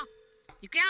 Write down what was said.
いくよ！